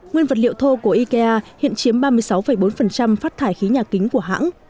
nguyên vật liệu thô của ikea hiện chiếm ba mươi sáu bốn phát thải khí nhà kính của hãng